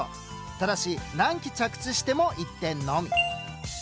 ただし何機着地しても１点のみ。